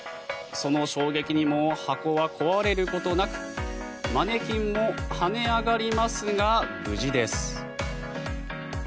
その衝撃にも箱は壊れることなくマネキンも跳ね上がりますが無事です。